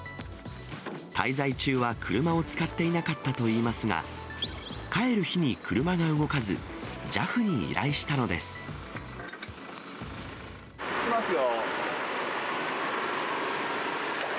滞在中は車を使っていなかったといいますが、帰る日に車が動かず、いきますよ。